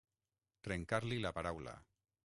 Trencar-li la paraula.